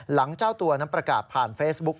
หลังเจ้าตัวนำประกาศผ่านเฟซบุ๊ค